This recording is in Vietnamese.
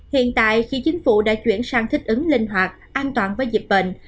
hiện tại khi chính phủ đã chuyển sang thích ứng linh hoạt an toàn với dịch bệnh